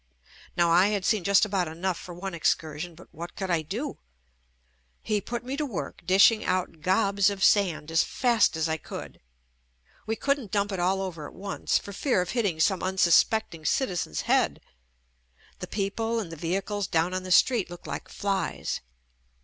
Now, I had seen just about enough for one excursion, but what could I do? He put me to work dishing out gobs of sand as JUST ME fast as I could. We couldn't dump it all over at once for fear of hitting some unsuspecting citizen's head. The people and the vehicles down on the street looked like flies.